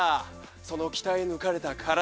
その鍛え抜かれた体。